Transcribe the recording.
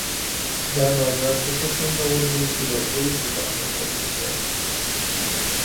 دا بازار ځکه خوندور دی چې لرغونو زمانو ته مې بیايي.